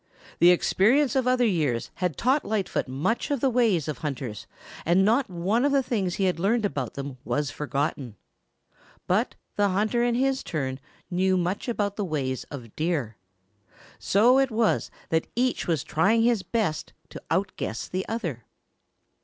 The experience of other years had taught Lightfoot much of the ways of hunters and not one of the things he had learned about them was forgotten. But the hunter in his turn knew much of the ways of Deer. So it was that each was trying his best to outguess the other.